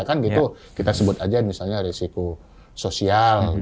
kan gitu kita sebut aja misalnya risiko sosial